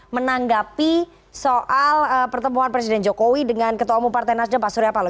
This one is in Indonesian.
menanggapi soal pertemuan presiden jokowi dengan ketua umum partai nasdem pak surya paloh